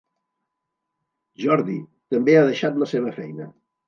Jordi, també ha deixat la seva feina.